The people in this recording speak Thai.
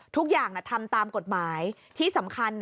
ทุกอย่างทำตามกฎหมายที่สำคัญ